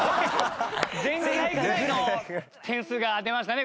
前回ぐらいの点数が出ましたね